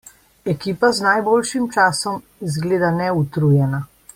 Ekipa z najboljšim časom izgleda neutrujena.